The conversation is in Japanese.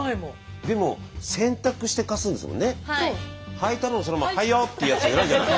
はいたのをそのままはいよっていうやつじゃないじゃない。